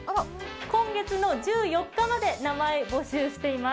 今月１４日まで名前を募集しています。